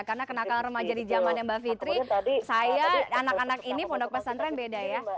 karena kenakan remaja di zamannya mbak fitri saya anak anak ini pondok pesantren beda ya